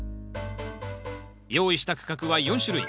用意した区画は４種類。